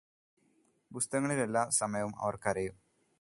പുസ്തകങ്ങളില് എല്ലാ സമയവും അവര് കരയും